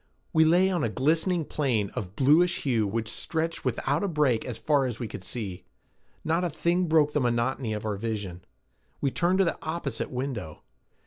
We lay on a glistening plain of bluish hue which stretched without a break as far as we could see. Not a thing broke the monotony of our vision. We turned to the opposite window.